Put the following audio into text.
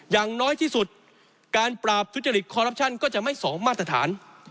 อย่างน้อยที่สุดการปราบทุจริตคอรัปชั่นก็จะไม่สองมาตรฐาน